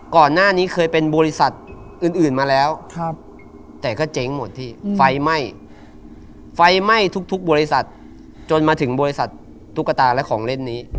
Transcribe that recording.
ก่อนหน้านี้เคยเป็นบริษัทอื่นมาแล้วแต่ก็เจ๊งหมดที่ไฟไหม้ไฟไหม้ทุกบริษัทจนมาถึงบริษัทตุ๊กตาและของเล่นนี้